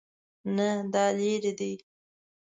نه، دا لیرې دی